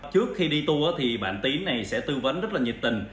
trước khi đi tour thì bạn tín này sẽ tư vấn rất là nhiệt tình